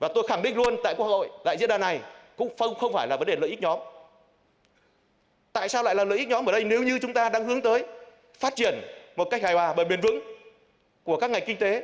tại sao lại là lợi ích nhóm ở đây nếu như chúng ta đang hướng tới phát triển một cách hài hòa và bền vững của các ngành kinh tế